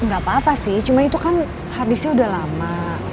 enggak apa apa sih cuma itu kan harddisknya udah lama